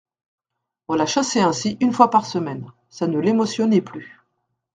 On la chassait ainsi une fois par semaine ; ça ne l'émotionnait plus.